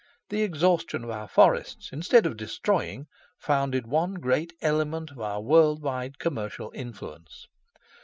The exhaustion of our forests, instead of destroying, founded one great element of our world wide commercial influence.